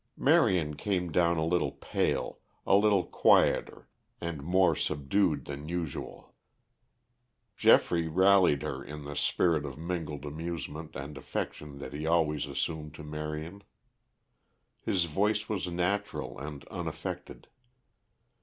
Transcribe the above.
Marion came down a little pale, a little quieter and more subdued than usual. Geoffrey rallied her in the spirit of mingled amusement and affection that he always assumed to Marion. His voice was natural and unaffected.